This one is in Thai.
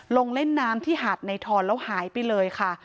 ลงเล่นน้ำที่หาดในทอนแล้วหายไปเลยค่ะ